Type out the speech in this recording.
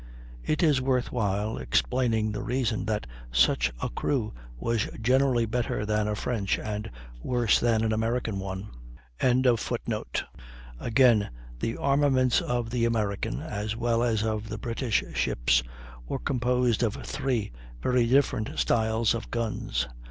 It is worth while explaining the reason that such a crew was generally better than a French and worse than an American one.] Again, the armaments of the American as well as of the British ships were composed of three very different styles of guns.